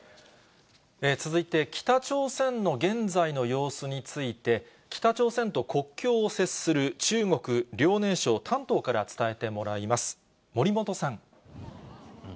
続いて、北朝鮮の現在の様子について、北朝鮮と国境を接する中国・遼寧省丹東から伝えてもらいます。